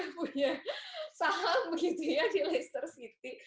punya saham begitu ya di leicester city